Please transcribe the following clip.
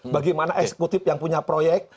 bagaimana eksekutif yang punya proyek